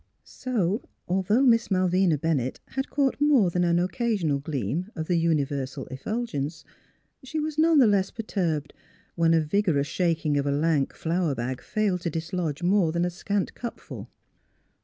So, although Miss Malvina Bennett had caught more than an occasional gleam of the universal effulgence, she was none the less per turbed when a vigorous shaking of a lank flour bag failed to dislodge more than a scant cupful.